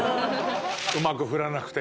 うまく降らなくて。